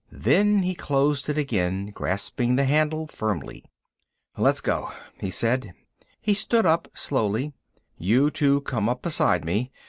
Then he closed it again, grasping the handle firmly. "Let's go," he said. He stood up slowly. "You two come up beside me.